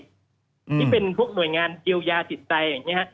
ที่เป็นพวกหน่วยงานเยียวยาจิตใจอย่างนี้ฮะ